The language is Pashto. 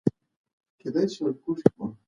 که ماشومان سالم وروزل سي نو ټولنه سمیږي.